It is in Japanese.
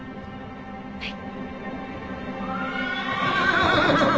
はい。